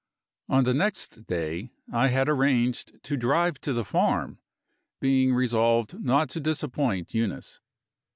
On the next day I had arranged to drive to the farm, being resolved not to disappoint Eunice.